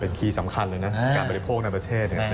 เป็นคีย์สำคัญเลยนะการบริโภคในประเทศ